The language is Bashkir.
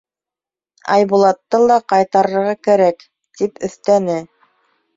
Айбулатты ла ҡайтарырға кәрәк, — тип өҫтәне.